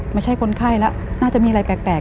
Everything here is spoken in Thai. ไม่ใช่คนไข้แล้วน่าจะมีอะไรแปลก